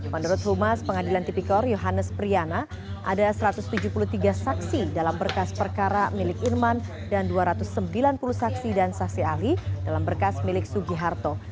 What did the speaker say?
menurut humas pengadilan tipikor yohanes priyana ada satu ratus tujuh puluh tiga saksi dalam berkas perkara milik irman dan dua ratus sembilan puluh saksi dan saksi ahli dalam berkas milik sugiharto